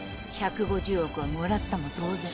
１５０億はもらったも同然。